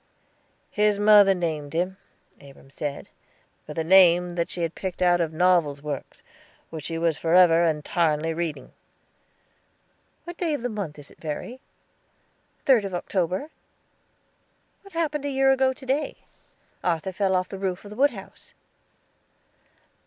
"His mother named him," Abram said, "with a name that she had picked out of Novel's works, which she was forever and 'tarnally reading." "What day of the month is it, Verry?" "Third of October." "What happened a year ago to day?" "Arthur fell off the roof of the wood house."